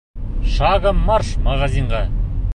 Шагом марш магазинға!